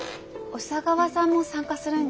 小佐川さんも参加するんですか？